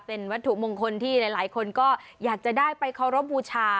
เป็นวัตถุมงคลที่หลายคนก็อยากจะได้ไปเคารพบูชา